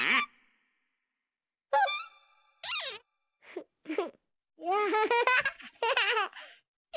フッフッ。